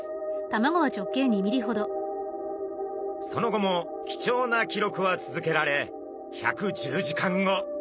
その後も貴重な記録は続けられ１１０時間後。